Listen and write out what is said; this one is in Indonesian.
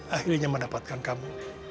akhirnya mendapatkan kamu